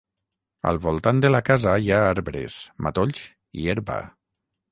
Al voltant de la casa hi ha arbres, matolls i herba.